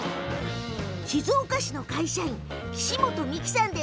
静岡市の会社員、岸本美樹さん。